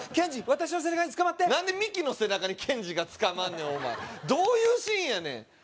私の背中につかまって何でミキの背中にケンジがつかまんねんどういうシーンやねん